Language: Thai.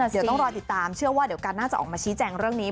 เดี๋ยวต้องรอติดตามเชื่อว่าเดี๋ยวการน่าจะออกมาชี้แจงเรื่องนี้